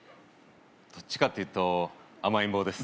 どっちかっていうと甘えん坊です